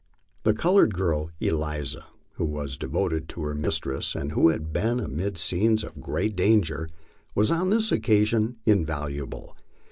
The colored girl, Eliza, who was devoted to her mistress, and who had been amid scenes of great danger, was on this occasion invaluable.